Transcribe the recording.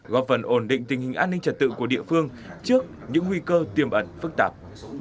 góp phần ổn định tình hình an ninh trật tự của địa phương trước những nguy cơ tiềm ẩn phức tạp